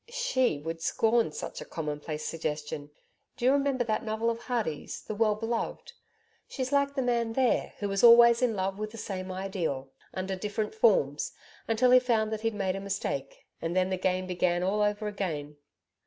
'SHE would scorn such a commonplace suggestion. Do you remember that novel of Hardy's, THE WELL BELOVED? She's like the man there, who was always in love with the same Ideal under different forms until he found that he'd made a mistake, and then the game began all over again.'